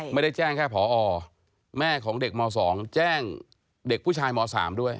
ไม่ได้แจ้งแค่พอแม่ของเด็กม๒แจ้งเด็กผู้ชายม๓ด้วย